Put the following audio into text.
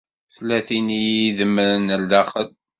Tella tin i yi-idemren ar daxel.